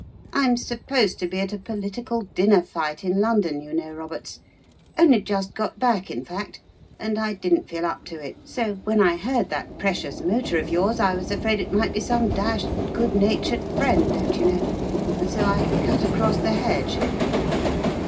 "I'm supposed to be at a political dinner fight in London, you know, Roberts. Only just got back, in fact, and I didn't feel up to it, so when I heard that precious motor of yours I was afraid it might be some dashed good 48 The Riddle of the Purple Emperor matured friend, don't you know, and so I cut across the hedge."